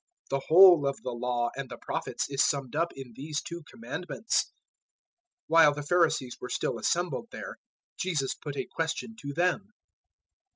022:040 The whole of the Law and the Prophets is summed up in these two Commandments." 022:041 While the Pharisees were still assembled there, Jesus put a question to them.